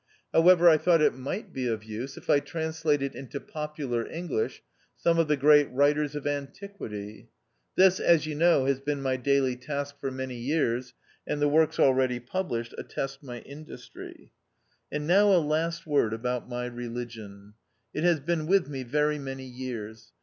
However, I thought it might be of use if I translated into popular English some of the great writers of antiquity. This, as you know, has been my daily task for many years, and the works already published attest my industry. And now a last word about my religion. It has been with me very many years.